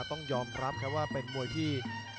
ต้องยอมรับครับว่าเป็นมวยที่